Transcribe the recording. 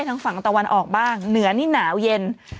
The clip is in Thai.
ทางฝั่งตะวันออกบ้างเหนือนี่หนาวเย็น